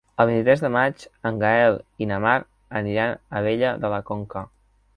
El vint-i-tres de maig en Gaël i na Mar aniran a Abella de la Conca.